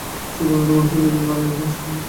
সেই গণতন্ত্র মানুষের মেনে না নিয়ে উপায় ছিল না।